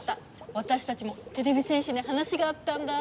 わたしたちもてれび戦士に話があったんだ。